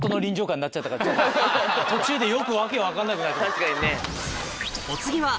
途中でよく訳分かんなくなった。